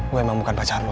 gue emang bukan pacar lo